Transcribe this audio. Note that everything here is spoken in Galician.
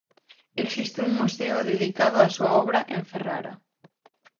Existe un museo dedicado á súa obra en Ferrara.